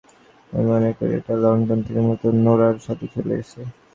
আমি মনে করি এটা ল্যান্ডন থেকে মূলত নোরার সাথে চলে গেছে।